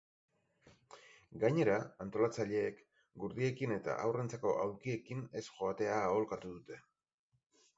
Gainera, antolatzaileek gurdiekin eta haurrentzako aulkiekin ez joatea aholkatu dute.